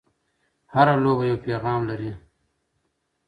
هره لوبه یو پیغام لري.